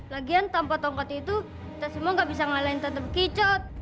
lagian tanpa tongkat itu kita semua gak bisa mengalahkan tante bekicot